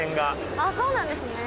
あっそうなんですね。